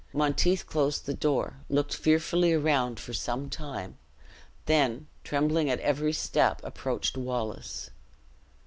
Monteith closed the door, looked fearfully around for some time; then, trembling at every step, approached Wallace.